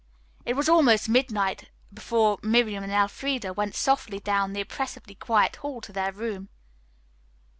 It was almost midnight before Miriam and Elfreda went softly down the oppressively quiet hall to their room.